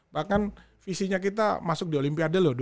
bahkan visinya kita masuk di olimpiade loh